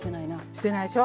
捨てないでしょ。